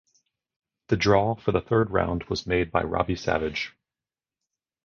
The draw for the third round was made by Robbie Savage.